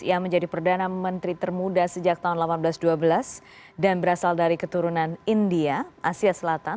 ia menjadi perdana menteri termuda sejak tahun seribu delapan ratus dua belas dan berasal dari keturunan india asia selatan